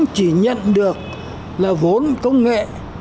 chỉ nhận được là vốn công nghệ